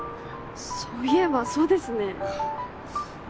そういえばそうですね。